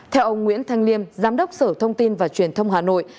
theo ông nguyễn thanh liêm giám đốc sở thông tin và truyền thông hà nội